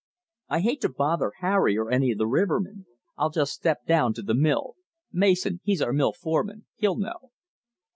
"I hate to bother Harry or any of the rivermen. I'll just step down to the mill. Mason he's our mill foreman he'll know."